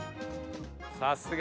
さすが！